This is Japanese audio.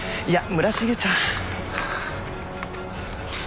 村重ちゃん。